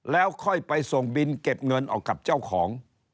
แล้วค่อยไปส่งบินเก็บเงินออกกับเจ้าของ